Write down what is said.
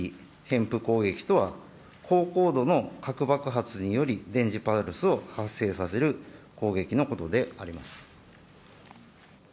ヘンプ攻撃とは高高度の核爆発により電磁パルスを発生させる攻撃のことであります。